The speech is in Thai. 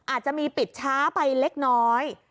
อาจจะมีปิดช้าไปเล็กน้อย